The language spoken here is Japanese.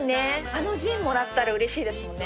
あのジンもらったらうれしいですもんね。